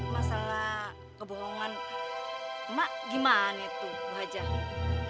masalah kebohongan emak gimana tuh wajah